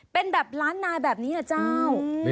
เป็นแบบล้านนายแบบนี้นะเจ้า